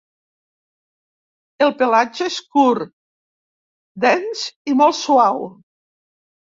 El pelatge és curt, dens i molt suau.